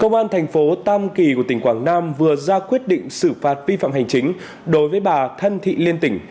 công an thành phố tam kỳ của tỉnh quảng nam vừa ra quyết định xử phạt vi phạm hành chính đối với bà thân thị liên tỉnh